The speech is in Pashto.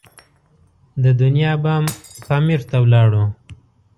د دنیا بام پامیر ته ولاړو.